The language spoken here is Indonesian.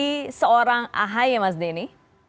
dari seorang ahy mas denny